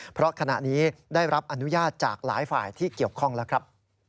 เพราะขณะนี้ได้รับอนุญาตจากหลายฝ่ายที่เกี่ยวข้องแล้วครับ